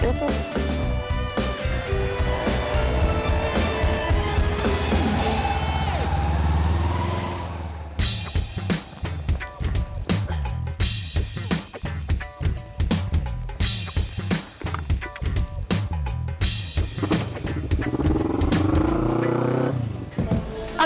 udah muk thomas